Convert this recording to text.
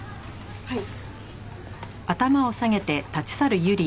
はい。